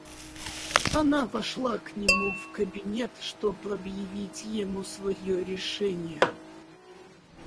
Она вошла к нему в кабинет, чтоб объявить ему свое решение.